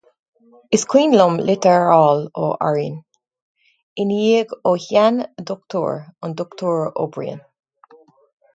Is cuimhin liom, litir a fháil as Árainn ina dhiaidh ó shean-dochtúir, an Dochtúir Ó Briain.